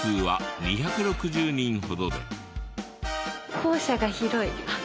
校舎が広い？